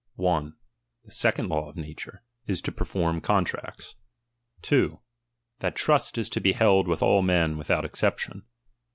1. The second law of nature, is to perform contracts. 2. That trust is to be held with all men without exception.